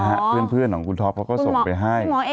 ก็คือมีเพื่อนของคุณทอปก็ส่งไปให้